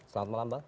selamat malam bang